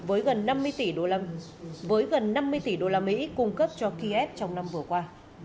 ukraine với gần năm mươi tỷ usd cung cấp cho kiev trong năm vừa qua